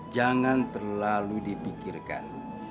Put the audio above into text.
jangan terlalu dipikirkan